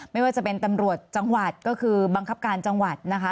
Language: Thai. ไม่ว่าจะเป็นตำรวจจังหวัดก็คือบังคับการจังหวัดนะคะ